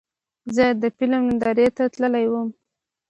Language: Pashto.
زه د فلم نندارې ته تللی وم.